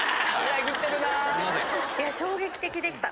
衝撃的でした